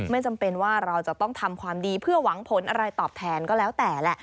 ไม่จำเป็นว่าเราจะต้องทำความดีเพื่อหวังผลอะไรตอบแทนก็แล้วแต่แหละ